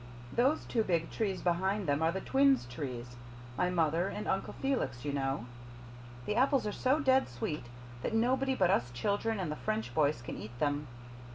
Those two big trees behind them are the twins' trees my mother and Uncle Felix, you know. The apples are so dead sweet that nobody but us children and the French boys can eat them.